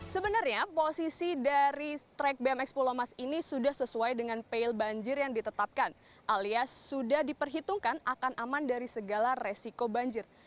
sebenarnya posisi dari trek bmx pulau mas ini sudah sesuai dengan pale banjir yang ditetapkan alias sudah diperhitungkan akan aman dari segala resiko banjir